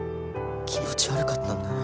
気持ち悪かったんだな。